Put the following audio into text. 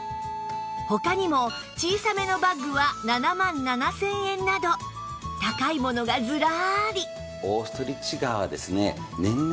他にも小さめのバッグは７万７０００円など高いものがずらり